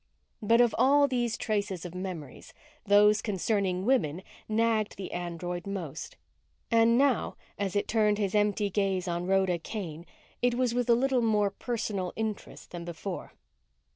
But of all these traces of memories, those concerning women nagged the android most. And now, as it turned his empty gaze on Rhoda Kane, it was with a little more personal interest than before.